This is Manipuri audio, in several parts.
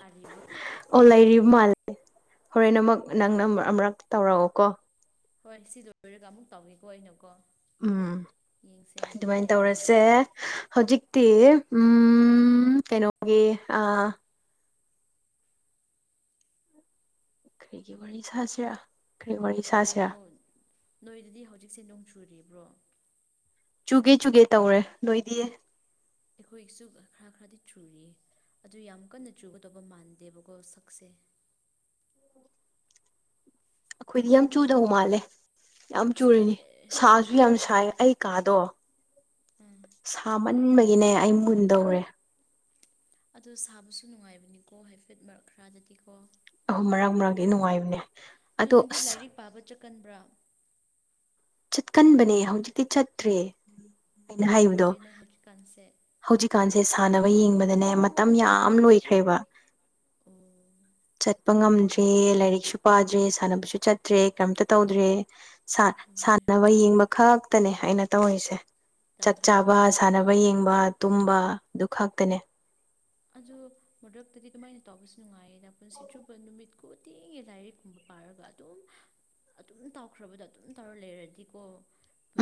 ꯌꯥꯔꯤꯕ꯭ꯔꯣ ꯑꯣꯂꯥꯏꯔꯤ ꯃꯥꯜ ꯍꯣꯔꯦꯟ ꯅꯃꯛ ꯅꯪꯅ ꯑꯃꯨꯨꯔꯛ ꯇꯧꯔꯛꯑꯣ ꯀꯣ ꯍꯣꯏ ꯁꯤꯗ ꯂꯣꯏꯔꯒ ꯑꯃꯨꯛ ꯇꯧꯏꯦꯀꯣ ꯑꯩꯅꯀꯣ ꯎꯝ ꯌꯦꯡꯁꯦ ꯍꯥꯏꯐꯦꯠ ꯑꯗꯨꯃꯥꯏꯅ ꯌꯥꯕ꯭ꯔꯥ ꯇꯧꯔꯁꯦ ꯌꯥꯗꯕ꯭ꯔꯥ ꯍꯧꯖꯤꯛꯇꯤ ꯎꯝ ꯀꯩꯅꯣꯒꯤ ꯑ ꯑꯩꯔꯤꯒꯤ ꯋꯥꯔꯤ ꯁꯥꯁꯤꯔꯥ ꯀꯔꯤ ꯋꯥꯔꯤ ꯁꯥꯁꯤꯔꯥ ꯅꯣꯏꯗꯨꯗꯤ ꯍꯧꯖꯤꯛꯁꯦ ꯅꯣꯡ ꯆꯨꯔꯤꯕ꯭ꯔꯣ ꯆꯨꯒꯦ ꯆꯨꯒꯦ ꯇꯧꯔꯦ ꯂꯣꯏꯗꯤꯌꯦ ꯑꯩꯈꯣꯏꯁꯨ ꯈꯔ ꯈꯔꯗꯤ ꯆꯨꯔꯤꯌꯦ ꯑꯗꯨ ꯌꯥꯝ ꯀꯟꯅ ꯆꯨꯒꯗꯧꯕ ꯃꯥꯟꯗꯦꯕꯀꯣ ꯁꯛꯁꯦ ꯎ ꯑꯩꯈꯣꯏꯗꯤ ꯌꯥꯝ ꯆꯨꯗꯧ ꯃꯥꯜꯂꯦ ꯌꯥꯝ ꯑꯁ ꯆꯨꯔꯤꯅꯤ ꯇꯜꯂꯦ ꯁꯥꯁꯨ ꯌꯥꯝ ꯁꯥꯏ ꯑꯩ ꯀꯥꯗꯣ ꯎꯝ ꯁꯥꯃꯟꯕꯒꯤꯅꯦ ꯑꯩ ꯃꯨꯟꯗꯧꯔꯦ ꯑꯗꯨꯗ ꯁꯥꯕꯁꯨ ꯅꯨꯡꯉꯥꯏꯕꯅꯤꯀꯣ ꯍꯥꯏꯐꯦꯠ ꯃꯔꯛ ꯈꯔꯗꯗꯤꯀꯣ ꯑꯍꯨꯝ ꯃꯔꯥꯡ ꯃꯔꯥꯡꯗꯤ ꯅꯨꯡꯉꯥꯏꯕꯅꯦ ꯑꯗꯨ ꯑꯗꯣ ꯅꯪꯗꯤ ꯑꯁ ꯂꯥꯏꯔꯤꯛ ꯄꯥꯕ ꯆꯠꯀꯟꯕ꯭ꯔꯥ ꯆꯠꯀꯟꯕꯅꯦ ꯍꯧꯖꯤꯛꯇꯤ ꯆꯠꯇ꯭ꯔꯦ ꯑꯩꯅ ꯀꯔꯤ ꯍꯥꯏꯕꯗꯣ ꯇꯧꯔꯒꯦ ꯅꯪ ꯍꯧꯖꯤꯛꯀꯥꯟꯁꯦ ꯍꯧꯖꯤꯛꯀꯥꯟꯁꯦ ꯁꯥꯟꯅꯕ ꯌꯦꯡꯕꯗꯅꯦ ꯃꯇꯝ ꯌꯥꯝ ꯂꯣꯏꯈ꯭ꯔꯦꯕ ꯑꯣ ꯆꯠꯄ ꯉꯝꯗ꯭ꯔꯦ ꯂꯥꯏꯔꯤꯛꯁꯨ ꯄꯥꯗ꯭ꯔꯦ ꯁꯥꯟꯅꯕꯁꯨ ꯆꯠꯇ꯭ꯔꯦ ꯀꯔꯝꯇ ꯇꯧꯗ꯭ꯔꯦ ꯑꯗꯨꯅꯦ ꯁꯥꯟꯅꯕ ꯌꯦꯡꯕ ꯈꯛꯇꯅꯦ ꯑꯩꯅ ꯇꯧꯔꯤꯁꯦ ꯆꯥꯛ ꯇꯟꯗ꯭ꯔꯥ ꯆꯥꯕ ꯌꯥꯝꯅ ꯁꯥꯟꯅꯕ ꯌꯦꯡꯕ ꯇꯨꯝꯕ ꯑꯗꯨ ꯈꯛꯇꯅꯦ ꯑꯗꯣ ꯃꯔꯗꯛꯇꯗꯤ ꯑꯗꯨꯃꯥꯏꯅ ꯇꯧꯕꯁꯨ ꯅꯨꯡꯉꯥꯏꯌꯦꯗ ꯄꯨꯟꯁꯤꯗꯨꯕ ꯅꯨꯃꯤꯠꯀꯨ ꯇꯦꯡꯉꯦ ꯂꯥꯏꯔꯤꯛꯀꯨꯝꯕ ꯄꯥꯏꯔꯒ ꯑꯗꯨꯝ ꯑꯗꯨꯝ ꯇꯧꯈ꯭ꯔꯕꯗꯣ ꯑꯗꯨꯝ ꯇꯧꯔ ꯂꯩꯔꯗꯤꯀꯣ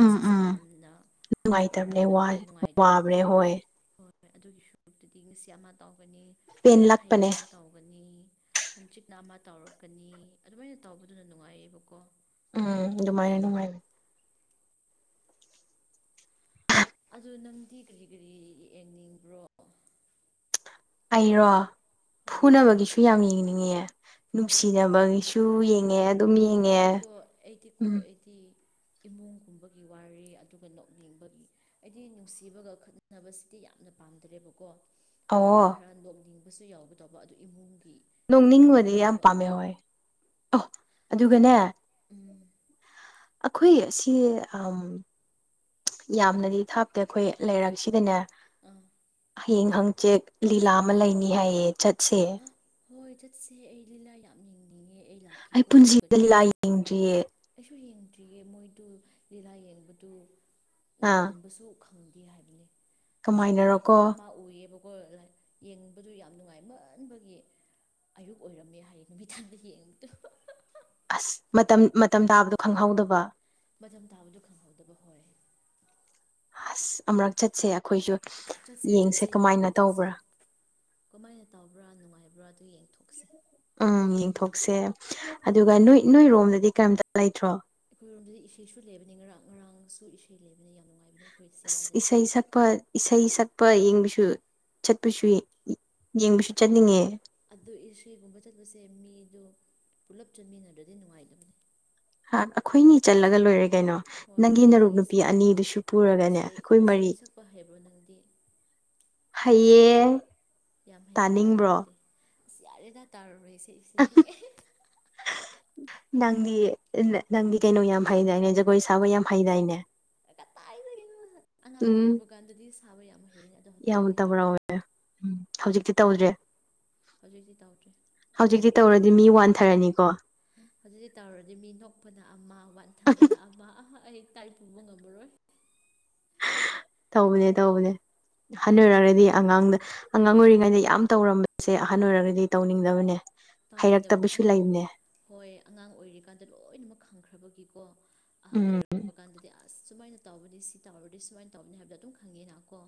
ꯎꯝ ꯎꯝ ꯌꯥꯝꯅ ꯅꯨꯡꯉꯥꯏꯇꯕꯅꯦ ꯋꯥꯔꯛꯄꯅꯦ ꯅꯨꯡꯉꯥꯏꯇꯕꯅꯦ ꯋꯥꯕꯅꯦ ꯍꯣꯏ ꯍꯣꯏ ꯍꯣꯏ ꯑꯗꯨꯒꯤ ꯁꯨꯔꯨꯇꯨꯗꯤ ꯉꯁꯤ ꯑꯃ ꯇꯧꯒꯅꯤ ꯄꯦꯟ ꯍꯌꯦꯡ ꯂꯥꯛꯄꯅꯦ ꯑꯃ ꯇꯧꯒꯅꯤ ꯍꯟꯆꯤꯛꯅ ꯑꯃ ꯇꯧꯔꯛꯀꯅꯤ ꯑꯗꯨꯃꯥꯏꯅ ꯇꯧꯕꯗꯨꯅ ꯅꯨꯡꯉꯥꯏꯌꯦꯕꯀꯣ ꯎꯝ ꯅꯨꯡꯃꯥꯏꯅ ꯅꯨꯡꯉꯥꯏꯔ ꯑꯗꯨ ꯅꯪꯗꯤ ꯀꯔꯤ ꯀꯔꯤ ꯌꯦꯡꯅꯤꯡꯕ꯭ꯔꯣ ꯑꯩꯔꯣ ꯍꯣꯏ ꯐꯨꯅꯕꯒꯤꯁꯨ ꯌꯥꯝ ꯌꯦꯡꯅꯤꯡꯉꯦ ꯅꯨꯡꯁꯤꯅꯕꯒꯤꯁꯨ ꯌꯦꯡꯉꯦ ꯑꯗꯨꯝ ꯌꯦꯡꯉꯦ ꯑꯩꯠꯇꯤ ꯀꯣ ꯑꯩꯠꯇꯤ ꯀꯣ ꯎꯝ ꯑꯩꯠꯇꯤ [unintelligible] ꯏꯃꯨꯡꯒꯨꯝꯕꯒꯤ ꯋꯥꯔꯤꯦ ꯑꯗꯨꯒ ꯅꯣꯛꯅꯤꯡꯕꯒꯤ ꯍꯥꯏꯗꯤ ꯅꯨꯡꯁꯤꯕꯒ ꯈꯠꯅꯕꯁꯤꯗꯤ ꯌꯥꯝꯅ ꯄꯥꯝꯗ꯭ꯔꯦꯕꯀꯣ ꯑꯩꯗꯤ ꯑꯣ ꯈꯔ ꯅꯣꯛꯅꯤꯡꯕꯁꯨ ꯌꯥꯎꯕ ꯇꯧꯕ ꯑꯗꯨ ꯏꯃꯨꯡ ꯅꯣꯡꯅꯤꯡꯕꯗꯤ ꯌꯥꯝ ꯄꯥꯝꯃꯦ ꯍꯣꯏ ꯑꯣ ꯑꯗꯨꯒꯅꯦ ꯎꯝ ꯑꯩꯈꯣꯏ ꯑꯁꯤ ꯌꯥꯝꯅꯗꯤ ꯊꯥꯞꯇꯦ ꯑꯩꯈꯣꯏ ꯂꯩꯔꯛꯁꯤꯗꯅꯦ ꯑꯝ ꯍꯪ ꯍꯪꯆꯦꯛ ꯂꯤꯂꯥ ꯑꯃ ꯂꯩꯅꯤ ꯍꯥꯏꯌꯦ ꯆꯠꯁꯦ ꯍꯥ ꯍꯣꯏ ꯆꯠꯁꯦ ꯑꯩ ꯂꯤꯂꯥ ꯌꯥꯝ ꯌꯦꯡꯅꯤꯡꯉꯦ ꯑꯩ ꯂꯥꯛꯀꯦꯀꯣ ꯑꯗꯨꯒ ꯄꯨꯟꯁꯤꯗ ꯂꯤꯂꯥ ꯆꯠꯁꯦ ꯌꯦꯡꯗ꯭ꯔꯤꯌꯦ ꯑꯩꯁꯨꯏ ꯗ꯭ꯔꯤꯌꯦ ꯃꯣꯏꯗꯨ ꯂꯤꯂꯥ ꯌꯦꯡꯕꯗꯨ ꯑꯥ ꯅꯣꯡꯉꯥꯟꯕꯁꯨ ꯈꯪꯗꯦ ꯍꯥꯏꯕꯅꯤ ꯁ ꯀꯃꯥꯏꯅꯔꯣꯀꯣ ꯑꯃꯥ ꯎꯌꯦꯕꯀꯣ ꯌꯦꯡꯕꯗꯨ ꯌꯥꯝ ꯅꯨꯡꯉꯥꯏ ꯈꯟꯕꯒꯤ ꯑꯌꯨꯛ ꯑꯣꯏꯔꯝꯃꯦ ꯍꯥꯏꯌꯦ ꯅꯨꯃꯤꯗꯥꯡꯗ ꯌꯦꯡꯕꯗꯣ ꯑꯁ ꯃꯇꯝ ꯃꯇꯝ ꯇꯥꯕꯗꯣ ꯈꯪꯍꯧꯗꯕ ꯃꯇꯝ ꯊꯥꯕꯗ ꯈꯪꯍꯧꯗꯕ ꯍꯣꯏ ꯍꯁ ꯑꯃꯔꯛ ꯆꯠꯁꯦ ꯑꯩꯈꯣꯏꯁꯨ ꯆꯠꯁꯦ ꯌꯦꯡꯁꯦ ꯆꯠꯁꯦ ꯌꯦꯡꯕ ꯀꯃꯥꯏꯅ ꯆꯠꯁꯦ ꯇꯧꯕ꯭ꯔꯥ ꯀꯃꯥꯏꯅ ꯇꯕ꯭ꯔꯥ ꯅꯨꯡꯉꯥꯏꯕ꯭ꯔꯥ ꯑꯗꯨ ꯌꯦꯡꯊꯣꯛꯁꯦ ꯎꯝ ꯌꯦꯡꯊꯣꯛꯁꯦ ꯑꯗꯨꯒ ꯅꯣꯏ ꯅꯣꯏꯔꯣꯝꯗꯗꯤ ꯀꯔꯤꯝꯇ ꯂꯩꯇ꯭ꯔꯣ ꯑꯩꯈꯣꯏꯔꯣꯝꯗꯗꯤ ꯏꯁꯩꯁꯨ ꯂꯩꯕꯅꯤ ꯉꯔꯥꯡ ꯉꯔꯥꯡꯁꯨ ꯏꯁꯩ ꯂꯩꯕ ꯑ ꯏꯁꯩ ꯁꯛꯄ ꯏꯁꯩ ꯁꯛꯄ ꯌꯦꯡꯕꯁꯨ ꯆꯠꯄꯁꯨ ꯌꯦꯡꯕꯁꯨ ꯆꯠꯅꯤꯡꯉꯦ ꯑꯗꯨ ꯏꯁꯩꯒꯨꯝꯕ ꯆꯠꯄꯁꯦ ꯃꯤꯗ ꯄꯨꯂꯞ ꯆꯟꯃꯤꯟꯅꯗ꯭ꯔꯗꯤ ꯅꯨꯡꯉꯥꯏꯗꯕꯅꯦ ꯍꯥ ꯑꯩꯈꯣꯏꯅꯤ ꯆꯜꯂꯒ ꯂꯣꯏꯔꯦ ꯀꯩꯅꯣ ꯍꯣꯏ ꯅꯪꯒꯤ ꯑꯗꯨ ꯅꯔꯨꯞ ꯅꯪ ꯅꯨꯄꯤ ꯏꯁꯩ ꯑꯅꯤꯗꯨꯁꯨ ꯄꯨꯔꯒꯅꯦ ꯏꯁꯩ ꯑꯩꯈꯣꯏ ꯃꯔꯤ ꯏꯁꯩ ꯁꯛꯄ ꯍꯩꯕ꯭ꯔꯣ ꯅꯪꯗꯤ ꯍꯩꯌꯦ ꯌꯥꯝ ꯍꯩꯒꯗꯧꯕ ꯃꯥꯜꯂꯦ ꯑꯁ ꯌꯥꯔꯦꯗ ꯇꯥꯔꯥꯔꯦꯏ ꯏꯁꯩ ꯁꯤꯗꯤ ꯅꯪꯗꯤ ꯅꯪꯗꯤ ꯀꯩꯅꯣ ꯌꯥꯝ ꯍꯩꯗꯥꯏꯅꯦ ꯖꯒꯣꯏ ꯁꯥꯕ ꯌꯥꯝ ꯍꯩꯗꯥꯏꯅꯦ [inaudible] ꯀꯗꯥꯏꯗꯒꯤꯅꯣ ꯑꯉꯥꯡ ꯎꯝ ꯑꯣꯏꯔꯤꯕ ꯀꯥꯟꯗꯗꯤ ꯁꯥꯕ ꯌꯥꯝ ꯍꯩꯕꯅꯦ ꯑꯗꯣ ꯌꯥꯝ ꯍꯧꯖꯤꯛꯀꯥꯟꯗꯤ ꯍꯩꯇ꯭ꯔꯦ ꯇꯧꯔꯝꯃꯦ ꯎꯝ ꯍꯧꯖꯤꯛꯇꯤ ꯇꯧꯗ꯭ꯔꯦ ꯍꯧꯖꯤꯛꯇꯤ ꯇꯧꯗ꯭ꯔꯦ ꯍꯧꯖꯤꯛꯇꯤ ꯇꯧꯔꯗꯤ ꯃꯤ ꯋꯥꯟꯊꯔꯅꯤꯀꯣ ꯍꯧꯖꯤꯛ ꯍꯧꯖꯤꯛ ꯇꯧꯔꯗꯤ ꯃꯤ ꯅꯣꯛꯄꯗ ꯑꯃ ꯋꯥꯟꯊꯕꯗ ꯑꯃ ꯑꯩ ꯇꯥꯔꯤ ꯄꯨꯕ ꯉꯝꯃꯥꯔꯣꯣꯏ ꯇꯧꯕꯅꯦ ꯇꯧꯕꯅꯦ ꯍꯣꯏ ꯍꯟꯅꯨꯔꯛꯒꯗꯤ ꯑꯉꯥꯡꯗ ꯑꯉꯥꯡ ꯑꯣꯏꯔꯤꯉꯩꯗ ꯌꯥꯝ ꯇꯧꯔꯝꯕꯁꯦ ꯑꯍꯟ ꯑꯣꯏꯔꯒꯗꯤ ꯇꯧꯅꯤꯡꯗꯕꯅꯦ ꯇꯥꯎꯅꯤꯡꯗꯕꯅꯤ ꯍꯩꯔꯛꯇꯕꯁꯨ ꯑꯉꯥꯡ ꯂꯩꯕꯅꯦ ꯍꯣꯏ ꯑꯉꯥꯡ ꯑꯣꯏꯔꯤꯀꯥꯟꯗ ꯂꯣꯏꯅꯃꯛ ꯈꯪꯈ꯭ꯔꯕꯒꯤꯀꯣ ꯑꯍꯜ ꯎꯝ ꯑꯣꯏꯔꯛꯕ ꯀꯥꯟꯗꯗꯤ ꯑꯁ ꯁꯨꯃꯥꯏꯅ ꯇꯧꯕꯅꯤ ꯁꯤ ꯇꯧꯔꯗꯤ ꯁꯨꯃꯥꯏꯅ ꯇꯧꯕꯅꯤ ꯍꯥꯏꯕꯗꯣ ꯑꯗꯨꯝ ꯈꯪꯉꯦꯅ ꯀꯣ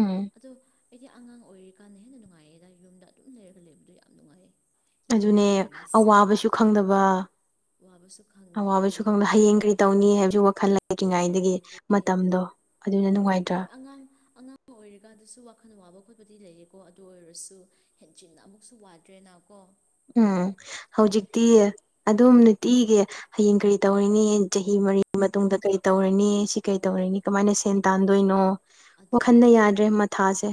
ꯎꯝ ꯑꯗꯣ ꯑꯩꯗꯤ ꯑꯉꯥꯡ ꯑꯣꯏꯔꯤꯀꯥꯟꯗ ꯍꯦꯟꯅ ꯅꯨꯡꯉꯥꯏꯌꯦꯗ ꯌꯨꯝꯗ ꯑꯗꯨꯝ ꯂꯩꯔꯒ ꯂꯩꯕꯗꯣ ꯌꯥꯝ ꯅꯨꯡꯉꯥꯏꯌꯦ ꯌꯨꯝ ꯑꯗꯨꯅꯦ ꯌꯥꯝꯅ ꯅꯤꯡꯁꯤꯡꯉꯤ ꯑꯋꯥꯕꯁꯨ ꯈꯪꯗꯕ ꯋꯥꯕꯁꯨ ꯈꯪꯗꯦ ꯑꯋꯥꯕꯁꯨ ꯈꯪꯗ ꯍꯌꯦꯡ ꯀꯔꯤ ꯇꯧꯅꯤ ꯍꯥꯏꯕꯁꯨ ꯋꯥꯈꯜ ꯍꯣꯜ ꯀꯤꯉꯥꯏꯗꯒꯤ ꯂꯩꯇꯦ ꯃꯇꯝꯗꯣ ꯑꯗꯨꯅ ꯅꯨꯡꯉꯥꯏꯇ꯭ꯔꯥ ꯍꯣꯏ ꯑꯉꯥꯡ ꯑꯉꯥꯡ ꯑꯃ ꯑꯣꯏꯔꯤꯀꯥꯟꯗꯁꯨ ꯋꯥꯈꯜ ꯋꯥꯕ ꯈꯣꯠꯄꯗꯤ ꯂꯩꯌꯦꯀꯣ ꯑꯗꯨ ꯑꯣꯏꯔꯁꯨ ꯍꯦꯟꯖꯤꯟꯅ ꯑꯃꯨꯛꯁꯨ ꯋꯥꯗ꯭ꯔꯦꯅꯀꯣ ꯎꯝ ꯍꯧꯖꯤꯛꯇꯤ ꯑꯗꯨꯝ ꯅꯨꯡꯇꯤꯒꯤ ꯍꯌꯦꯡ ꯀꯔꯤ ꯇꯧꯔꯤꯅꯤ ꯃꯔꯤ ꯃꯇꯨꯡꯗ ꯀꯔꯤ ꯇꯧꯔꯅꯤ ꯑꯩ ꯁꯤ ꯀꯩ ꯍꯣꯏ ꯇꯧꯔꯤꯅꯤ ꯀꯃꯥꯏꯅ ꯁꯦꯟ ꯇꯥꯟꯗꯣꯏꯅꯣ ꯋꯥꯈꯟꯗ ꯌꯥꯗ꯭ꯔꯦ ꯃꯊꯥꯁꯦ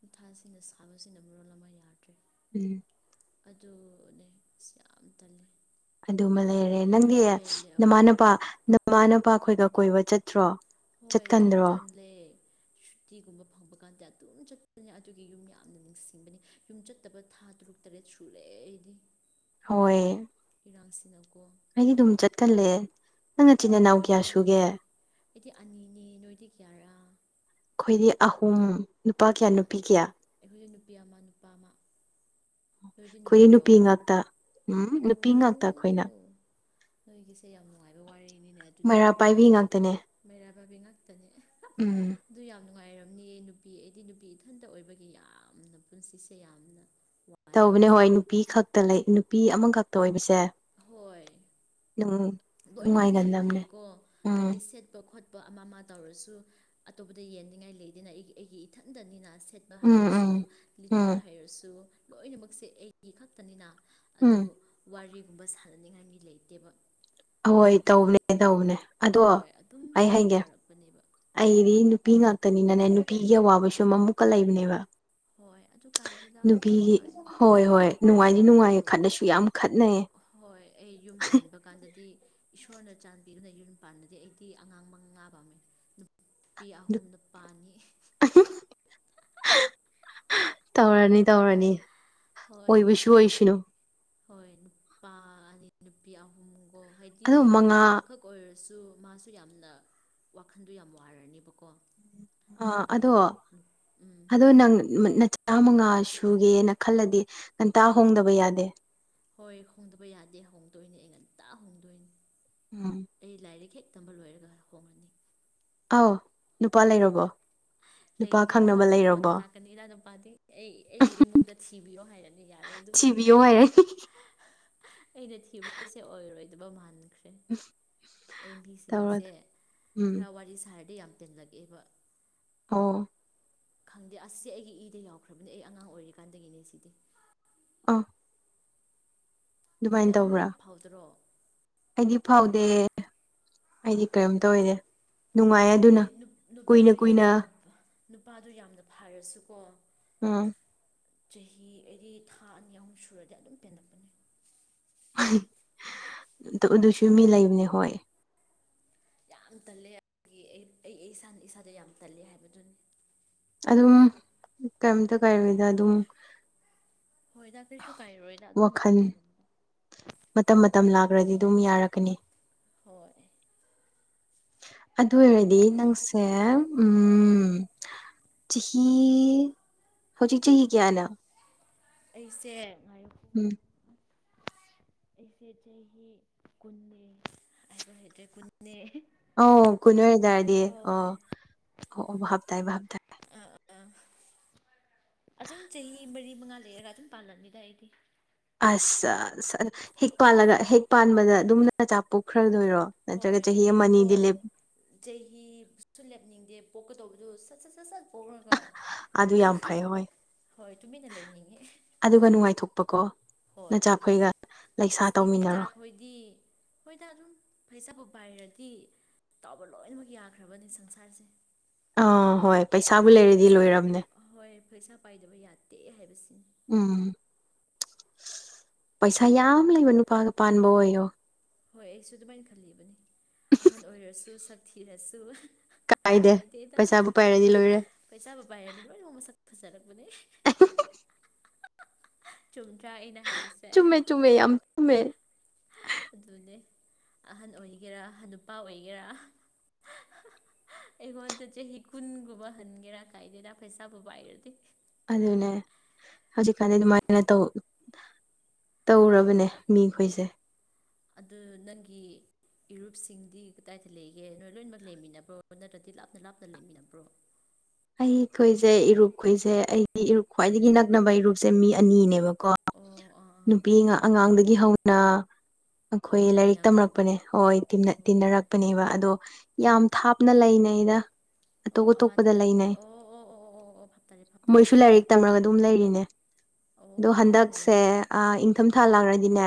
ꯃꯥꯊꯥꯁꯤꯅ ꯁꯥꯕꯁꯤꯅ ꯃꯔꯣꯜ ꯑꯃ ꯌꯥꯗ꯭ꯔꯦ ꯎꯝ ꯑꯗꯨꯅꯦ ꯌꯥꯝ ꯇꯜꯂꯦ ꯑꯗꯨꯃ ꯂꯩꯔꯦ ꯅꯪꯗꯤ ꯄꯦꯜꯂꯦ ꯑꯋꯣꯏꯕ ꯅꯃꯥꯅꯄꯥ ꯅꯃꯥꯅꯄꯥ ꯈꯣꯏꯒ ꯀꯣꯏꯕ ꯆꯠꯇ꯭ꯔꯣ ꯍꯣꯏ ꯆꯠꯀꯟꯗ꯭ꯔꯣ ꯆꯠꯀꯟ ꯂꯦ [inaudible] ꯇꯤꯒꯨꯝꯕ ꯐꯪꯕ ꯀꯥꯟꯗ ꯑꯗꯨꯝ ꯆꯠꯄꯅꯦ ꯑꯗꯨꯒꯤ ꯌꯨꯝ ꯌꯥꯝꯅ ꯅꯤꯡꯁꯤꯡꯕꯅꯤ ꯌꯨꯝ ꯆꯠꯇꯕ ꯊꯥ ꯇꯔꯨꯛ ꯇꯔꯦꯠ ꯁꯨꯔꯦ ꯑꯩꯗꯤ ꯍꯣꯏ ꯏꯔꯥꯡꯁꯤꯅꯀꯣ ꯑꯩꯗꯤ ꯑꯗꯨꯝ ꯆꯠꯀꯜꯂꯦ ꯅꯪ ꯏꯆꯤꯟ ꯍꯣꯏ ꯏꯅꯥꯎ ꯅꯣꯏꯗꯤ ꯀꯌꯥ ꯌꯥꯝ ꯁꯨꯒꯦ ꯅꯨꯡꯉꯥꯏ ꯑꯩꯗꯤ ꯑꯅꯤꯅꯦ ꯅꯣꯏꯗꯤ ꯀꯌꯥꯔꯥ ꯑꯩꯈꯣꯏꯗꯤ ꯑꯍꯨꯝ ꯅꯨꯄꯥ ꯀꯌꯥ ꯅꯨꯄꯤ ꯀꯌꯥ ꯑꯩꯈꯣꯏꯗꯤ ꯅꯨꯄꯤ ꯑꯃ ꯅꯨꯄꯥ ꯑꯃ ꯅꯣꯏꯗꯤ ꯅꯨꯄꯥ ꯑꯩꯈꯣꯏꯒꯤ ꯅꯨꯄꯤ ꯌꯥꯎꯕ꯭ꯔꯥ ꯉꯥꯛꯇ ꯎꯝ ꯅꯨꯄꯤ ꯉꯥꯛꯇ ꯑꯩꯈꯣꯏꯅ ꯑꯣ ꯅꯣꯏꯒꯤꯁꯦ ꯌꯥꯝ ꯅꯨꯡꯉꯥꯏꯕ ꯋꯥꯔꯤ ꯃꯩꯔꯥ ꯄꯥꯏꯕꯤ ꯉꯥꯛꯇꯅꯦ ꯃꯩꯔꯥ ꯄꯥꯏꯕꯤ ꯉꯥꯛꯇꯅꯦ ꯎꯝ ꯑꯗꯨ ꯌꯥꯝꯅ ꯅꯨꯡꯉꯥꯏꯔꯝꯅꯤ ꯅꯨꯄꯤ ꯑꯩꯗꯤ ꯅꯨꯄꯤ ꯏꯊꯟꯇ ꯑꯣꯏꯕꯒꯤ ꯌꯥꯝꯅ ꯄꯨꯟꯁꯤꯁꯦ ꯌꯥꯝꯅ ꯇꯧꯕꯅꯦ ꯋꯥꯏꯑꯦꯗ ꯍꯣꯏ ꯅꯨꯄꯤ ꯈꯛꯇ ꯂꯩ ꯅꯨꯄꯤ ꯑꯃꯈꯛꯇ ꯑꯣꯏꯕꯁꯦ ꯍꯣꯏ ꯂꯣꯏꯅꯃꯛꯀꯤ ꯅꯨꯡꯉꯥꯏꯒꯟꯗꯕꯅꯦ ꯅꯨꯡꯉꯥꯏꯌꯦꯀꯣ ꯎꯝ ꯍꯥꯏꯗꯤ ꯁꯦꯠꯄ ꯈꯣꯠꯄ ꯑꯃ ꯑꯃ ꯇꯧꯔꯁꯨ ꯑꯇꯣꯞꯄꯗ ꯌꯦꯟꯅꯤꯡꯉꯥꯏ ꯂꯩꯗꯅ ꯑꯩꯒꯤ ꯑꯩꯒꯤ ꯏꯊꯟꯗꯅꯤꯅ ꯁꯦꯠꯄ ꯎꯝ ꯎꯝ ꯍꯥꯏꯔꯁꯨ ꯂꯤꯠꯄ ꯎꯝ ꯍꯥꯏꯔꯁꯨ ꯂꯣꯏꯅꯃꯛꯁꯦ ꯑꯩꯒꯤ ꯈꯛꯇꯅꯤꯅ ꯎꯝ ꯑꯗꯨ ꯋꯥꯔꯤꯒꯨꯝꯕ ꯁꯥꯟꯅꯅꯤꯡꯉꯥꯏꯒꯤ ꯂꯩꯇꯦꯕ ꯑꯍꯣꯏ ꯍꯥꯏꯗꯤ ꯇꯧꯕꯅꯦ ꯇꯧꯕꯅꯦ ꯑꯗꯣ ꯍꯣꯏ ꯑꯗꯨꯝ ꯑꯩ ꯑꯗꯨꯃꯥꯏꯅ ꯍꯥꯏꯒꯦ ꯋꯥꯔꯛꯄꯅꯦꯕ ꯑꯩꯗꯤ ꯅꯨꯄꯤ ꯉꯥꯛꯇꯅꯤꯅꯅꯦ ꯅꯨꯄꯤꯒꯤ ꯑꯋꯥꯕ ꯁꯨ ꯑꯃꯨꯛꯀ ꯂꯩꯕꯅꯦꯕ ꯍꯣꯏ ꯑꯗꯨ ꯀꯥꯏꯗꯦꯗ ꯑꯗꯨꯝ ꯅꯨꯄꯤꯒꯤ ꯅꯨꯡꯉꯥꯏ ꯍꯣꯏ ꯍꯣꯏ ꯅꯨꯡꯉꯥꯏꯗꯤ ꯑꯗꯨ ꯅꯨꯡꯉꯥꯏꯌꯦ ꯈꯠꯂꯁꯨ ꯌꯥꯝ ꯈꯠꯅꯩꯌꯦ ꯍꯣꯏ ꯑꯩ ꯌꯨꯝ ꯄꯥꯟꯕ ꯀꯥꯟꯗꯗꯤ ꯏꯁꯣꯔꯅ ꯆꯥꯟꯕꯤꯗꯨꯅ ꯌꯨꯝ ꯄꯥꯟꯂꯗꯤ ꯑꯩꯗꯤ ꯑꯉꯥꯡ ꯃꯉꯥ ꯄꯥꯝꯃꯦ ꯅꯨꯄꯤ ꯑꯍꯨꯝ ꯅꯨꯄꯥ ꯑꯅꯤ ꯇꯧꯔꯅꯤ ꯇꯧꯔꯅꯤ ꯍꯣꯏ ꯑꯣꯏꯕꯁꯨ ꯑꯣꯏꯁꯅꯨ ꯍꯣꯏ ꯅꯨꯄꯥ ꯑꯅꯤ ꯅꯨꯄꯤ ꯑꯍꯨꯝꯒꯣ ꯍꯥꯏꯗꯤ ꯑꯗꯣ ꯅꯨꯄꯥ ꯃꯉꯥ ꯑꯃꯈꯛ ꯑꯣꯏꯔ ꯁꯨ ꯃꯥꯁꯨ ꯌꯥꯝꯅ ꯋꯥꯈꯟꯗꯨ ꯌꯥꯝ ꯋꯥꯔꯅꯤꯕꯀꯣ ꯑ ꯑꯗꯣ ꯑꯗꯣ ꯅꯪ ꯆꯥꯃꯉꯥ ꯁꯨꯒꯦꯅ ꯈꯜꯂꯗꯤ ꯉꯟꯇꯥ ꯍꯣꯡꯗꯕ ꯌꯥꯗꯦ ꯍꯣꯏ ꯍꯣꯡꯗꯕ ꯌꯥꯗꯦ ꯍꯣꯡꯗꯣꯏꯅꯤ ꯑꯩ ꯉꯟꯇ ꯍꯣꯡꯗꯣꯏꯅꯤ ꯎꯝ ꯑꯩ ꯂꯥꯏꯔꯤꯛ ꯍꯦꯛ ꯇꯝꯕ ꯂꯣꯏꯔꯒ ꯍꯣꯡꯂꯅꯤ ꯑꯥꯎ ꯅꯨꯄꯥ ꯂꯩꯔꯕꯣ ꯅꯨꯄꯥ ꯂꯩꯇ꯭ꯔꯦꯗ ꯈꯪꯅꯕ ꯑꯗꯨꯝ ꯂꯩꯔꯕꯣ ꯀꯣꯟꯅ ꯂꯥꯛꯀꯅꯤ ꯏꯅꯨꯄꯥꯗꯤ ꯑꯩ ꯑꯩꯒꯤ ꯏꯃꯨꯡꯗ ꯊꯤꯕꯤꯌꯣ ꯍꯥꯏꯔꯅꯤ ꯌꯥꯔꯦ ꯑꯗꯨꯅ ꯊꯤꯕꯤꯌꯣ ꯍꯥꯏꯌꯦ ꯑꯩꯅ ꯊꯤꯕꯁꯦ ꯑꯣꯏꯔꯣꯏꯗꯕ ꯃꯥꯟ ꯑꯩ ꯃꯤꯁꯤꯡꯁꯦ ꯇꯧꯔꯗ ꯎꯝ ꯈꯔ ꯋꯥꯔꯤ ꯁꯥꯔꯗꯤ ꯌꯥꯝ ꯇꯟꯂꯛ ꯑꯦꯕ ꯑꯣ ꯈꯪꯗꯦ ꯑ꯭ꯁ ꯑꯩꯒꯤ ꯏꯗ ꯌꯥꯎꯈ꯭ꯔꯕꯅꯦ ꯑꯩ ꯑꯉꯥꯡ ꯑꯣꯏꯔꯤꯀꯥꯟꯗꯒꯤꯅꯦ ꯁꯤꯗꯤ ꯑꯥ ꯅꯪꯗꯤ ꯑꯗꯨꯃꯥꯏꯅ ꯐꯥꯎꯗ꯭ꯔꯣ ꯑꯩꯗꯤ ꯐꯥꯎꯗꯦ ꯑꯩꯗꯤ ꯀꯔꯤꯝ ꯇꯧꯗꯦ ꯅꯨꯡꯉꯥꯏ ꯑꯩꯗꯤ ꯑꯗꯨꯅ ꯀꯨꯏꯅ ꯅꯨꯄꯥꯗꯨ ꯀꯨꯏꯅ ꯌꯥꯝꯅ ꯅꯨꯄꯥꯗꯨ ꯌꯥꯝꯅ ꯐꯔꯁꯨꯀꯣ ꯑꯝ ꯆꯍꯤ ꯑꯩꯗꯤ ꯊꯥ ꯑꯅꯤ ꯑꯍꯨꯝ ꯁꯨꯔꯗꯤ ꯑꯗꯨꯝ ꯄꯦꯟꯂꯛꯄꯅꯦ ꯑ ꯑꯗꯨꯁꯨ ꯃꯤ ꯂꯩꯕꯅꯦ ꯍꯣꯏ ꯌꯥꯝ ꯇꯜꯂꯦ ꯑꯩ ꯑꯩ ꯑꯩ ꯏꯁꯥꯅ ꯏꯁꯥꯗ ꯌꯥꯝ ꯇꯜꯂꯦ ꯍꯥꯏꯕꯗꯨꯅꯤ ꯑꯗꯨꯝ ꯀꯩꯝꯇ ꯀꯥꯏꯗꯦꯗ ꯑꯗꯨꯝ ꯍꯣꯏꯗꯥ ꯀꯩꯁꯨ ꯀꯥꯏꯔꯣꯏꯗ ꯑꯗꯨꯝ ꯃꯇꯝ ꯋꯥꯈꯜ ꯂꯥꯛ ꯃꯇꯝ ꯃꯇꯝ ꯂꯥꯛꯔꯥꯗꯤ ꯑꯗꯨꯝ ꯌꯥꯔꯛꯀꯅꯤ ꯍꯣꯏ ꯑꯗꯨ ꯑꯣꯏꯔꯗꯤ ꯅꯪꯁꯦ ꯎꯝ ꯆꯍꯤ ꯍꯧꯖꯤꯛ ꯆꯍꯤ ꯀꯌꯥꯅꯣ ꯑꯩꯁꯦ ꯉꯥꯏꯈꯣ ꯎꯝ ꯑꯩꯁꯦ ꯆꯍꯤ ꯀꯨꯟꯅꯦ ꯍꯥꯏꯕ ꯍꯩꯇ꯭ꯔꯦ ꯀꯨꯟꯅꯦ ꯑꯣ ꯀꯨꯟ ꯑꯣꯢꯇꯔꯗꯤ ꯍꯣꯏ ꯑꯣ ꯑꯣ ꯑꯣ ꯚꯞ ꯇꯥꯏ ꯚꯞ ꯇꯥꯏ ꯑꯥ ꯑꯥ [inaudible] ꯑꯁꯨꯝ ꯆꯍꯤ ꯃꯔꯤ ꯃꯉꯥ ꯂꯩꯔꯒ ꯑꯗꯨꯝ ꯄꯥꯜꯂꯝꯃꯤꯗ ꯑꯩꯗꯤ ꯑꯁ ꯑ ꯍꯦꯛ ꯄꯥꯜꯂꯒ ꯍꯦꯛ ꯄꯥꯟꯕꯗ ꯑꯗꯨꯝ ꯅꯆꯥ ꯄꯣꯛꯈ꯭ꯔꯗꯣꯏꯔꯣ ꯅꯠꯇ꯭ꯔꯒ ꯍꯣꯏ ꯆꯍꯤ ꯑꯃ ꯑꯩꯗꯤꯀꯣ ꯑꯅꯤꯗꯤ ꯂꯦꯞ ꯆꯍꯤꯁꯨ ꯂꯦꯞꯅꯤꯡꯗꯦ ꯄꯣꯛꯀ ꯇꯧꯕꯗꯨ ꯁꯠ ꯁꯠ ꯁꯠ ꯁꯠ ꯄꯣꯛꯔꯒ ꯑꯗꯨ ꯌꯥꯝ ꯐꯩ ꯍꯣꯏ ꯍꯣꯏ ꯇꯨꯃꯤꯟꯅ ꯂꯩꯅꯤꯡꯉꯦ ꯑꯗꯨꯒ ꯅꯨꯡꯉꯥꯏꯊꯣꯛꯄꯀꯣ ꯍꯣꯏ ꯅꯆꯥꯈꯣꯏꯒ ꯂꯩꯁꯥ ꯑꯁ ꯏꯆꯥꯥ ꯇꯧꯃꯤꯟꯅꯔꯣ ꯍꯣꯏꯗꯤ ꯍꯣꯏꯗ ꯑꯗꯨꯝ ꯄꯥꯏꯔꯗꯤ ꯇꯥꯎꯕ ꯂꯣꯏꯅꯃꯛ ꯌꯥꯈ꯭ꯔꯕꯅꯤ ꯁꯪꯁꯥꯔꯁꯦ ꯑꯥ ꯍꯣꯏ ꯄꯩꯁꯥꯕꯨ ꯑꯗꯨꯒꯤ ꯂꯩꯔꯗꯤ ꯄꯩꯁꯥ ꯂꯣꯏꯔꯝꯅꯦ ꯍꯣꯏ ꯄꯩꯁꯥ ꯄꯥꯏꯗꯕ ꯌꯥꯗꯦ ꯍꯥꯏꯕꯁꯤꯅꯤ ꯎꯝ ꯄꯩꯁꯥ ꯌꯥꯝ ꯂꯩꯕ ꯅꯨꯄꯥꯗ ꯄꯥꯟꯕ ꯑꯣꯏꯌꯣ ꯍꯣꯏ ꯑꯩꯁꯨ ꯑꯗꯨꯃꯥꯏꯅ ꯈꯜꯂꯤꯕꯅꯤ ꯑꯍꯟ ꯑꯣꯏꯔꯁꯨ ꯁꯛ ꯊꯤꯔꯁꯨ ꯀꯥꯏꯗꯦ ꯀꯥꯏꯗꯦꯗ ꯄꯩꯁꯥꯕꯨ ꯄꯥꯏꯔꯗꯤ ꯂꯣꯏꯔꯦ ꯄꯩꯁꯥꯕꯨ ꯄꯥꯏꯔꯗꯤ ꯂꯣꯏꯃꯛ ꯃꯁꯛ ꯊꯤꯔ ꯐꯖꯔꯛꯄꯅꯦ ꯆꯨꯝꯗ꯭ꯔꯥ ꯑꯩꯅ ꯍꯥꯏꯕꯁꯦ ꯆꯨꯝꯃꯦ ꯆꯨꯝꯃꯦ ꯌꯥꯝ ꯆꯨꯝꯃꯦ ꯑꯗꯨꯅꯦ ꯑꯍꯟ ꯑꯣꯏꯒꯦꯔꯥ ꯍꯥꯅꯨꯄꯥ ꯑꯣꯏꯒꯦꯔꯥ ꯑꯩꯉꯟꯗ ꯆꯍꯤꯦ ꯍ ꯀꯨꯟꯒꯨꯕꯍꯟꯒꯦꯔ ꯈ ꯍꯥꯏꯗꯦ ꯇ ꯐꯩꯁꯕꯨ ꯍꯥꯏꯥꯏꯔꯗꯤ ꯑꯗꯨꯅꯦ ꯍꯧꯖꯤꯛꯀꯥꯟꯗꯤ ꯑꯗꯨꯃꯥꯏꯅ ꯇꯧ ꯇꯧꯔꯕꯅꯦ ꯍꯣꯏ ꯃꯤꯈꯣꯏꯁꯦ ꯑꯗꯨ ꯅꯪꯒꯤ ꯏꯔꯨꯞꯁꯤꯡꯗꯤ ꯀꯗꯥꯏꯗ ꯂꯩꯒꯦ ꯅꯣꯏ ꯂꯣꯏꯅꯃꯛ ꯂꯩꯃꯤꯟꯅꯕ꯭ꯔꯣ ꯅꯠꯇ꯭ꯔꯗꯤ ꯂꯥꯞꯅ ꯂꯥꯞꯅ ꯂꯩꯃꯤꯟꯅꯕ꯭ꯔꯣ ꯑꯩꯈꯣꯏꯁꯦ ꯏꯔꯨꯞꯈꯣꯏꯁꯦ ꯑꯩꯒꯤ ꯏꯔꯨꯞ ꯈ꯭ꯋꯥꯏꯗꯒꯤ ꯅꯛꯅꯕ ꯏꯔꯨꯞꯁꯦ ꯃꯤ ꯑꯅꯤꯅꯦꯕꯀꯣ ꯑꯣ ꯑꯥ ꯑꯥ ꯅꯨꯄꯤ ꯑꯉꯥꯡꯗꯒꯤ ꯍꯧꯅ ꯑꯥ ꯑꯩꯈꯣꯏ ꯑꯣ ꯂꯥꯏꯔꯤꯛ ꯇꯤꯟꯅꯈ꯭ꯔꯕ ꯇꯝꯔꯛꯄꯅꯦ ꯍꯣꯏ ꯑꯣ ꯑꯣ ꯇꯤꯟꯅꯔꯛꯄꯅꯦꯕ ꯑꯗꯣ ꯑꯥ ꯌꯥꯝ ꯊꯥꯞꯅ ꯂꯩꯅꯩ ꯑꯇꯣꯞ ꯑꯣ ꯑꯃꯗꯤ ꯑꯇꯣꯞꯄꯗ ꯂꯩꯅꯩ ꯑꯣ ꯑꯣ ꯑꯣ ꯑꯣ ꯑꯣ ꯑꯣ ꯐꯞꯇꯥꯔꯦ ꯐꯞꯇꯥꯔꯦ ꯃꯣꯏꯁꯨ ꯂꯥꯏꯔꯤꯛ ꯇꯝꯔꯒ ꯑꯗꯨꯝ ꯂꯩꯔꯤꯅꯦ ꯑꯗꯣ ꯑꯣ ꯍꯟꯗꯛꯁꯦ ꯅꯩꯔꯦꯅꯦ ꯏꯪꯊꯝꯊꯥ ꯂꯥꯡꯗꯤꯅꯦ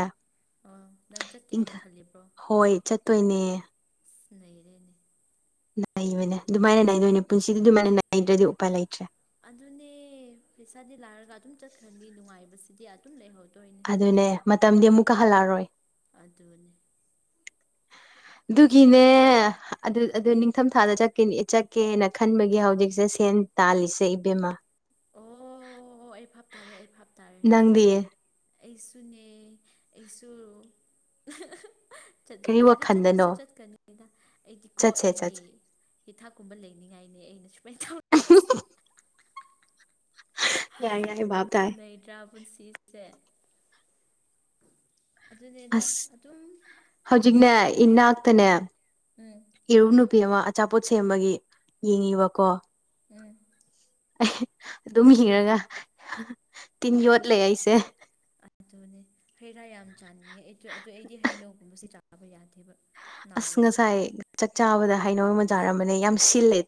ꯑꯥ ꯅꯪ ꯆꯠꯀꯦ ꯍꯥꯏꯅ ꯈꯜꯂꯤꯕ꯭ꯔꯣ ꯍꯣꯏ ꯆꯠꯇꯣꯏꯅꯦ [inaudible] ꯅꯩꯔꯦꯅꯤ ꯅꯩꯕꯅꯦ ꯑꯗꯨꯃꯥꯏꯅ ꯅꯩꯗꯣꯏꯅꯦ ꯄꯨꯟꯁꯤꯗꯤ ꯑꯗꯨꯃꯥꯏꯅ ꯅꯥꯏꯗ꯭ꯔꯗꯤ ꯎꯄꯥꯏ ꯂꯩꯇ꯭ꯔꯦ ꯑꯗꯨꯅꯦ ꯄꯩꯁꯥꯗꯤ ꯂꯥꯏꯔꯒ ꯑꯗꯨꯝ ꯆꯠꯈ꯭ꯔꯅꯤ ꯅꯨꯡꯉꯥꯏꯕꯁꯤꯗꯤ ꯑꯗꯨꯝ ꯂꯩꯍꯧꯅꯤ ꯑꯗꯨꯅꯦ ꯃꯇꯝꯗꯤ ꯑꯃꯨꯛꯀ ꯍꯜꯂꯛꯑꯔꯣꯏ ꯑꯗꯨꯅꯦ [inaudible] ꯑꯗꯨꯒꯤꯅꯦ ꯑꯗꯨ ꯑꯗꯨ ꯅꯤꯡꯊꯝ ꯊꯥꯗ ꯆꯠꯀꯦꯅ ꯈꯟꯕꯒꯤ ꯍꯧꯖꯤꯛꯁꯦ ꯁꯦꯜ ꯇꯥꯂꯤꯁꯦ ꯏꯕꯦꯝꯃ ꯑꯣ ꯑꯩ ꯐꯥꯞ ꯇꯥꯔꯦ ꯑꯩ ꯐꯥꯞ ꯇꯔꯦ ꯅꯪꯗꯤ ꯑꯩꯁꯨꯅꯦ ꯑꯩꯁꯨ ꯀꯔꯤ ꯆꯠꯅꯤꯡꯉꯦ ꯑꯗꯨ ꯋꯥꯈꯟꯗꯅꯣ ꯆꯠꯄꯁꯨ ꯆꯠꯀꯅꯤꯗ ꯑꯩꯗꯤꯀꯣ ꯆꯠꯁꯦ ꯑꯩꯒꯤ ꯆꯠꯁꯦ ꯍꯤꯊꯥꯛꯀꯨꯝꯕꯥ ꯂꯩꯇꯔꯤꯉꯥꯏꯅꯦ ꯑꯩꯅ ꯁꯨꯃꯥꯏꯅ ꯇꯧꯔꯤꯁꯦ꯫ ꯌꯥꯏ ꯌꯥꯏ ꯚꯥꯞ ꯇꯥꯏ ꯅꯩꯗ꯭ꯔꯥ ꯄꯨꯟꯁꯤꯁꯦ ꯑꯗꯨꯅꯦꯗ ꯑꯁ ꯑꯗꯨꯝ ꯍꯧꯖꯤꯛꯅꯦ ꯏꯅꯥꯛꯇꯅꯦ ꯎꯝ ꯏꯔꯨꯞ ꯅꯨꯄꯤ ꯑꯃ ꯑꯆꯥꯄꯣꯠ ꯁꯦꯝꯕꯒꯤ ꯌꯦꯡꯉꯤꯕꯀꯣ ꯎꯝ ꯑꯩ ꯑꯗꯨꯝ ꯍꯤꯔꯒ ꯇꯤꯟ ꯌꯣꯠꯂꯦ ꯑꯩꯁꯦ ꯑꯗꯨꯅꯦ ꯍꯩ ꯔꯥ ꯌꯥꯝ ꯆꯥꯅꯤꯡꯉꯦ ꯑꯩꯁꯨ ꯑꯗꯨ ꯑꯩꯗꯤ ꯍꯩꯅꯧꯒꯨꯝꯕꯁꯦ ꯆꯥꯕ ꯌꯥꯗꯦꯕ ꯑꯁ ꯅꯥꯏꯌꯦ ꯉꯁꯥꯏ ꯆꯥꯛ ꯆꯥꯕꯗ ꯍꯩꯅꯥꯎ ꯑꯃ ꯆꯥꯔꯝꯕꯅꯦ ꯌꯥꯝ ꯁꯤꯜꯂꯦ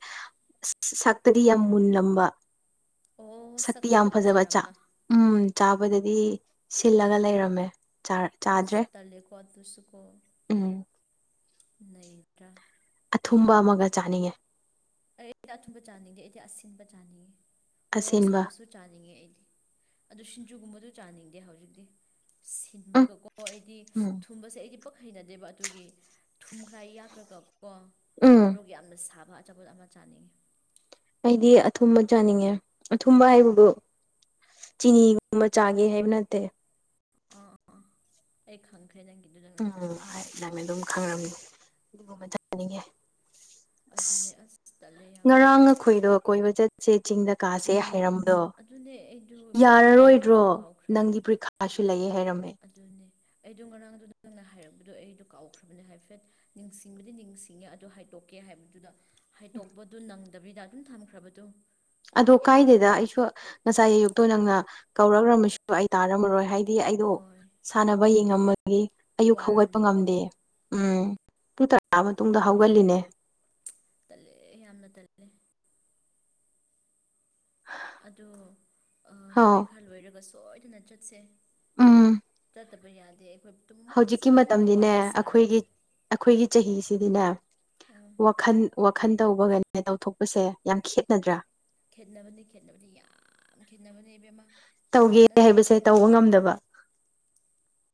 ꯁꯥꯛꯇꯗꯤ ꯌꯥꯝ ꯃꯨꯟꯅꯅꯝꯕ ꯑꯣ ꯁꯛꯇꯤ ꯌꯥꯝ ꯁꯛꯈꯛꯇ ꯐꯖꯕ ꯆꯥꯛ ꯐꯖꯔꯝꯕ ꯎꯝ ꯆꯥꯕꯗꯗꯤ ꯁꯤꯜꯂꯒ ꯂꯩꯔꯝꯃꯦ ꯑꯁ ꯆꯥꯗ꯭ꯔꯦ ꯇꯥꯜꯂꯦꯀꯣ ꯑꯗꯨꯁꯨꯀꯣ ꯎꯝ ꯅꯩꯗꯔꯥ ꯑꯊꯨꯝꯕ ꯑꯃꯒ ꯆꯥꯅꯤꯡꯉꯦ ꯑꯩ ꯑꯩꯗꯤ ꯑꯆꯨꯝꯕ ꯆꯥꯅꯤꯡꯗꯦ ꯑꯩꯗꯤ ꯑꯁꯤꯟꯕ ꯆꯥꯅꯤꯡꯌꯦ ꯑꯣꯣꯔꯣꯛ ꯑꯁꯤꯟꯕ ꯁꯥꯕꯁꯨ ꯆꯥꯅꯤꯡꯉꯦ ꯑꯩꯗꯤ ꯑꯗꯨ ꯁꯤꯡꯖꯨꯒꯨꯝꯕꯗꯨ ꯆꯥꯅꯤꯡꯗꯦ ꯍꯧꯖꯤꯛꯇꯤ ꯎꯝ ꯁꯤꯟꯕꯒꯀꯣ ꯑꯩꯗꯤ ꯎꯝ ꯊꯨꯝꯕꯁꯦ ꯑꯩꯗꯤ ꯄꯄ ꯍꯩꯅꯗꯦꯕ ꯑꯗꯨꯒꯤ ꯊꯨꯝꯈ꯭ꯔꯥꯏ ꯌꯥꯛꯈ꯭ꯔꯒ ꯀꯣ ꯎꯝ ꯃꯣꯔꯣꯛ ꯌꯥꯝꯅ ꯁꯥꯕ ꯆꯄꯣꯠ ꯑꯃ ꯆꯥꯅꯤꯡꯉꯤ ꯑꯩꯗꯤ ꯑꯊꯨꯝꯕ ꯆꯥꯅꯤꯡꯉꯦ ꯑꯊꯨꯝꯕ ꯍꯥꯏꯕꯕꯨ ꯆꯤꯅꯤꯒꯨꯝꯕ ꯆꯥꯒꯦ ꯍꯥꯏꯕ ꯅꯠꯇꯦ ꯑ ꯑꯦ ꯍꯪꯀ ꯎꯝ ꯅꯪꯅ ꯑꯗꯨꯝ ꯈꯪꯔꯝꯅꯤ ꯑꯗꯨꯒꯨꯝꯕ ꯊꯅꯤꯡꯉꯦ ꯑꯗꯨꯅꯦ ꯑꯁ ꯆꯠꯂꯦ ꯌꯥꯝ ꯉꯔꯥꯡ ꯑꯩꯈꯣꯏꯗꯣ ꯀꯣꯏꯕ ꯆꯠꯁꯦ ꯆꯤꯡꯗ ꯀꯥꯁꯦ ꯍꯥꯏꯔꯝꯕ ꯑꯗꯨꯅꯦ ꯑꯩꯗꯨ ꯄꯕꯣꯔꯤꯈꯥ ꯂꯩꯌꯦ ꯍꯥꯏꯕꯗꯣ ꯀꯥꯎꯈ꯭ꯔꯥꯕꯅꯦ ꯅꯪꯒꯤ ꯄꯔꯤꯈꯥꯁꯨ ꯂꯩꯌꯦ ꯍꯥꯏꯔꯝꯃꯦ ꯑꯗꯨꯅꯦ ꯑꯩꯗꯣ ꯉꯔꯥꯡꯗꯨ ꯅꯪꯅ ꯍꯥꯏꯔꯛꯄꯗꯣ ꯑꯩꯗꯣ ꯀꯥꯎꯈ꯭ꯔꯕꯅꯦ ꯍꯥꯏꯐꯦꯠ ꯅꯤꯡꯁꯤꯡꯕꯗꯤ ꯅꯤꯡꯁꯤꯡꯉꯦ ꯑꯗꯣ ꯍꯥꯏꯗꯣꯛꯀꯦ ꯍꯥꯏꯕꯗꯨꯗ ꯍꯩꯇꯣꯛꯄꯗꯨ ꯅꯪꯗꯕꯤꯗ ꯑꯗꯨꯝ ꯊꯝꯈ꯭ꯔꯕꯗꯨꯣ ꯑꯗꯣ ꯀꯥꯏꯗꯦꯗ ꯑꯩꯁꯨ ꯉꯁꯥꯏ ꯑꯌꯨꯛꯇꯣ ꯅꯪꯅ ꯀꯧꯔꯈ꯭ꯔꯃꯁꯨ ꯑꯩ ꯇꯥꯔꯝꯃꯔꯣꯏ ꯍꯥꯏ ꯗꯤ ꯑꯩꯗꯣ ꯍꯣꯏ ꯁꯥꯟꯅꯕ ꯌꯦꯡꯉꯝꯃꯒꯤ ꯑꯌꯨꯛ ꯍꯧꯒꯠꯄ ꯋꯥꯔꯝꯅꯤꯀꯣ ꯉꯝꯗꯦ ꯎꯝ ꯄꯨꯡ ꯇꯔꯥ ꯇꯜꯂꯦ ꯃꯇꯨꯡꯗ ꯍꯧꯒꯠꯂꯤꯅꯦ ꯇꯜꯂꯦ ꯌꯥꯝꯅ ꯇꯜꯂꯦ ꯑꯗꯣ ꯍꯥꯎ ꯄꯣꯔꯤꯈꯥ ꯂꯣꯏꯔꯒ ꯁꯣꯏꯗꯅ ꯆꯠꯁꯦ ꯎꯝ ꯠꯇꯕ ꯌꯥꯗꯦ ꯑꯩꯈꯣꯏ ꯇꯨꯝꯃꯨꯛ ꯍꯧꯖꯤꯛꯀꯤ ꯐꯖꯅ ꯃꯇꯝꯗꯤꯅꯦ ꯋꯥꯔꯤ ꯑꯩꯈꯣꯏꯒꯤ ꯁꯥꯔꯒ ꯑꯩꯈꯣꯏꯒꯤ ꯆꯍꯤꯁꯤꯗꯤꯅꯦ ꯎꯝ ꯋꯥꯈꯜ ꯋꯥꯈꯜ ꯇꯧꯕꯒꯅꯦ ꯇꯧꯊꯣꯛꯄꯁꯦ ꯌꯥꯝ ꯈꯦꯅꯗ꯭ꯔꯥ ꯈꯦꯠꯅꯕꯅꯤ ꯈꯦꯠꯅꯕꯅꯤ ꯌꯥꯝ ꯈꯦꯠꯅꯕꯅꯤ ꯏꯕꯦꯝꯃ ꯊꯥ ꯊꯥ ꯇꯧꯒꯦ ꯅꯠꯇꯦ ꯍꯥꯏꯕꯁꯦ ꯇꯧꯕ ꯍꯥꯏꯒꯅꯨ ꯉꯝꯗꯕ